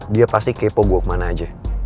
dia pasti kepo gue kemana aja